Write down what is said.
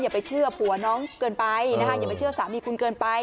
ไปเชื่อผัวน้องเกินไปนะคะอย่าไปเชื่อสามีคุณเกินไป